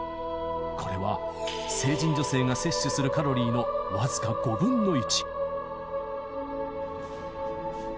これは、成人女性が摂取するカロリーの僅か５分の１。